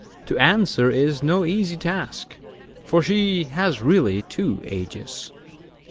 To answer is no easy task; For she has really two ages.